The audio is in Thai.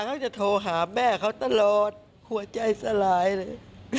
เขาจะโทรหาแม่เขาตลอดหัวใจสลายเลย